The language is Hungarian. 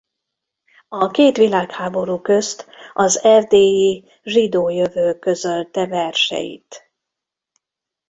A két világháború közt az erdélyi Zsidó Jövő közölte verseit.